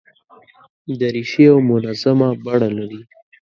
دریشي یو منظمه بڼه لري.